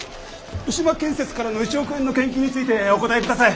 牛間建設からの１億円の献金についてお答えください！